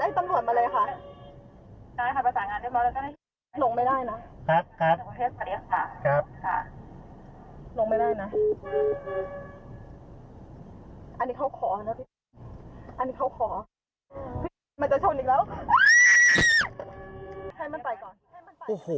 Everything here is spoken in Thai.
ให้ตำรวจมาเลยค่ะ